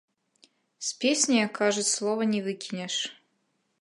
З песні, як кажуць, слова не выкінеш.